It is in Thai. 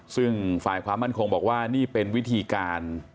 ซึ่งฝ่ายความมั่นคงบอกว่านี่เป็นวิธีการ